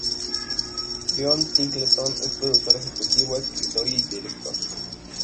John Singleton es productor ejecutivo, escritor y director.